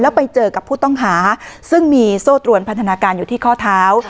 ไปเจอกับผู้ต้องหาซึ่งมีโซ่ตรวนพันธนาการอยู่ที่ข้อเท้า